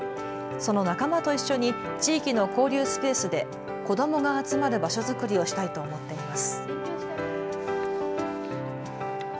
その仲間と一緒に地域の交流スペースで子どもが集まる場所作りをしたいと思っています。